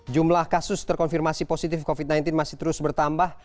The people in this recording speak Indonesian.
jumlah kasus terkonfirmasi positif covid sembilan belas masih terus bertambah